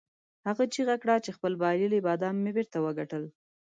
هغه چیغه کړه چې خپل بایللي بادام مې بیرته وګټل.